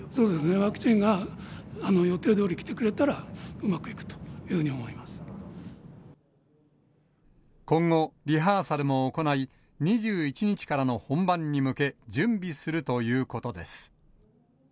そうですね、ワクチンが予定どおり来てくれたら、うまくいくというふうに思い今後、リハーサルも行い、２１日からの本番に向け、準備するということです。